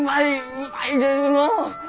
うまいですのう！